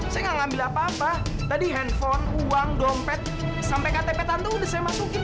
saya nggak ngambil apa apa tadi handphone uang dompet sampai ktp tante udah saya masukin